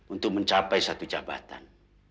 untuk mencapai satu jabatan